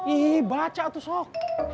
ih baca tuh sok